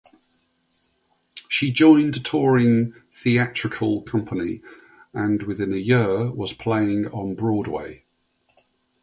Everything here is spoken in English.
She joined a touring theatrical company and within a year was playing on Broadway.